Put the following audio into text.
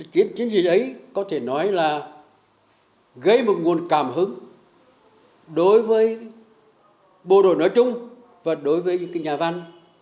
cái chiến dịch ấy có thể nói là gây một nguồn cảm hứng đối với bộ đội nói chung và đối với những nhà văn